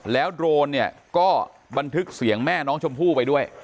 แล้วโดรนเนี่ยก็บันทึกเสียงแม่น้องชมพู่ไปด้วย